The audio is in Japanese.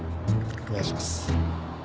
お願いします。